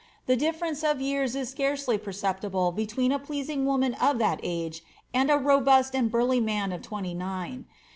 The difference of years rcely perceptible between a pleasing woman of that age and a ; and burly man of twenty nine.